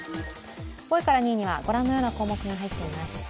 ５位から２位にはご覧のような項目が入っています。